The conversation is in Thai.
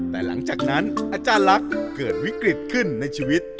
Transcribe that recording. แต่หลังจากนั้นอาจารย์ลักษณ์เกิดวิกฤตขึ้นในชีวิต